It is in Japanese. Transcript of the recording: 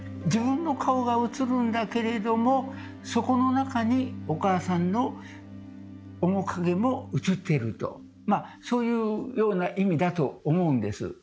自分の顔が映るんだけれどもそこの中にお母さんの面影も映っているとまあそういうような意味だと思うんです。